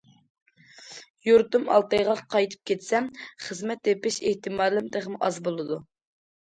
يۇرتۇم ئالتايغا قايتىپ كەتسەم، خىزمەت تېپىش ئېھتىمالىم تېخىمۇ ئاز بولىدۇ.